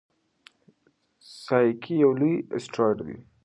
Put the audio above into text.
سایکي یو لوی اسټروېډ دی.